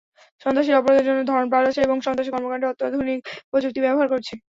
সন্ত্রাসীরা অপরাধের ধরন পাল্টাচ্ছে এবং সন্ত্রাসী কর্মকাণ্ডে অত্যাধুনিক প্রযুক্তি ব্যবহার করছে।